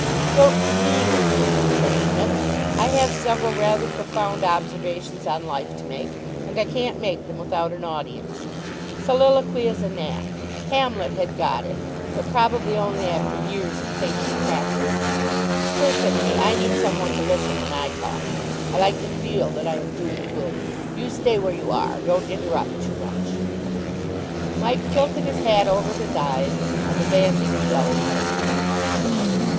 "Don't dream of moving," said Psmith. "I have several rather profound observations on life to make and I can't make them without an audience. Soliloquy is a knack. Hamlet had got it, but probably only after years of patient practice. Personally, I need some one to listen when I talk. I like to feel that I am doing good. You stay where you are don't interrupt too much." Mike tilted his hat over his eyes and abandoned Jellicoe.